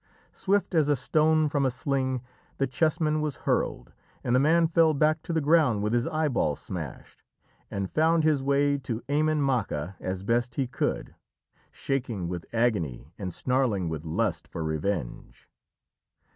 Swift as a stone from a sling the chessman was hurled, and the man fell back to the ground with his eyeball smashed, and found his way to Emain Macha as best he could, shaking with agony and snarling with lust for revenge.